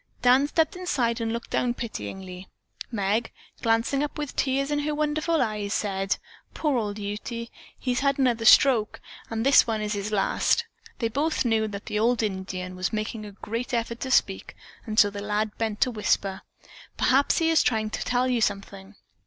Dan stepped inside and looked down pityingly. Meg, glancing up with tears in her wonderful eyes, said, "Poor old Ute. He has had another stroke, and this one is his last." They both knew that the old Indian was making a great effort to speak, and the lad bent to whisper, "Perhaps he is trying to tell you something."